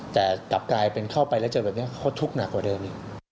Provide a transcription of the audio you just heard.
แต่กลับกลายเป็นเข้าไปแล้วเจอแบบนี้เขาทุกข์หนักกว่าเดิมอีก